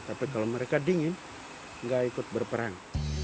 tapi kalau mereka dingin nggak ikut berperang